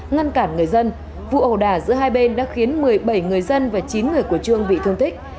ngăn cản người dân vụ ẩu đả giữa hai bên đã khiến một mươi bảy người dân và chín người của trương bị thương tích